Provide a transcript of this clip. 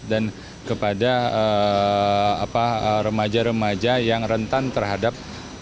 dan kepada remaja remaja yang rentan terhadap